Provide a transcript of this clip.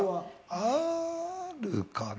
あるかな？